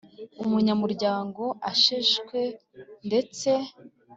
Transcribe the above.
Umunyamuryango asheshwe ndetse